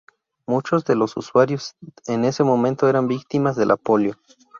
Muchos de los usuarios en ese momento eran víctimas de la polio.